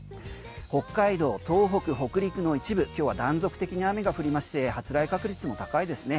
北海道、東北、北陸の一部今日は断続的に雨が降りまして発雷確率も高いですね。